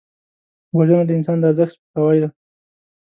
وژنه د انسان د ارزښت سپکاوی دی